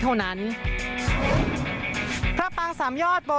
บริเวณหน้าสารพระการอำเภอเมืองจังหวัดลบบุรี